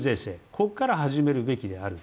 ここから始めるべきである。